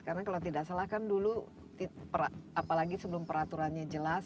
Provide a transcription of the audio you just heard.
karena kalau tidak salah kan dulu apalagi sebelum peraturannya jelas